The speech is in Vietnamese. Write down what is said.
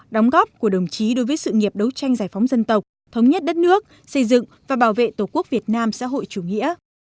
đóng góp của đồng chí đối với sự nghiệp đấu tranh giải phóng dân tộc thống nhất đất nước xây dựng và bảo vệ tổ quốc việt nam xã hội chủ nghĩa